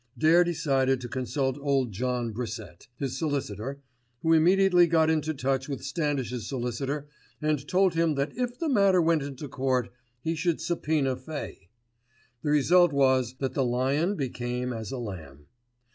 Dare decided to consult old John Brissett, his solicitor, who immediately got into touch with Standish's solicitor and told him that if the matter went into court he should supoena Fay. The result was that the lion became as a lamb.